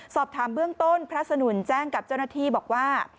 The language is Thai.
สอบถามเบื้องต้นพระสนุนแจ้งกับเจ้าหน้าที่บอกว่า